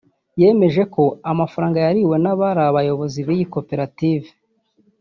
yemeje ko amafaranga yariwe n’abari abayobozi b’iyi Koperative